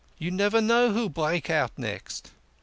You never know who'll break out next."